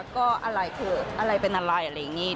ก็อะไรเถอะอะไรเป็นอะไรอะไรอย่างนี้